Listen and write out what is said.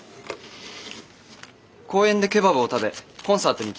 公園でケバブを食べコンサートに行きました。